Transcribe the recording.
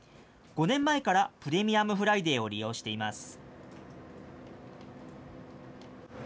５年前からプレミアムフライデーを利用しています。